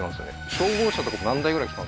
消防車とか何台ぐらい来たんですか？